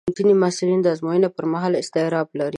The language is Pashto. ځینې محصلین د ازموینې پر مهال اضطراب لري.